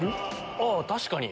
あっ確かに！